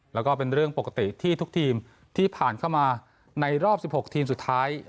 แล้วก็เป็นเรื่องปกติที่ทุกทีมที่ผ่านเข้ามาในรอบ๑๖ทีมสุดท้าย